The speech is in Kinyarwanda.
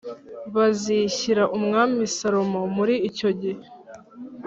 bazishyira Umwami Salomo muri cyogihe